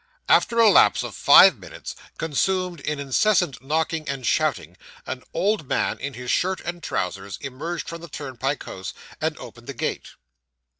After a lapse of five minutes, consumed in incessant knocking and shouting, an old man in his shirt and trousers emerged from the turnpike house, and opened the gate.